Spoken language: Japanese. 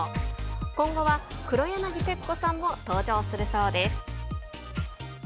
今後は黒柳徹子さんも登場するそうです。